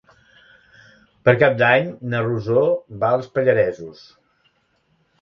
Per Cap d'Any na Rosó va als Pallaresos.